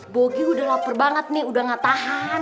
bogi udah lapar banget nih udah gak tahan